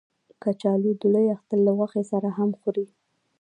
کچالو د لوی اختر له غوښې سره هم خوري